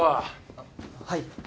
あっはい。